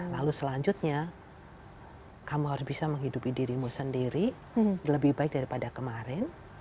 lalu selanjutnya kamu harus bisa menghidupi dirimu sendiri lebih baik daripada kemarin